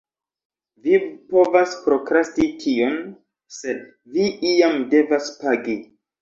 Vi povas prokrasti tion, sed vi iam devas pagi.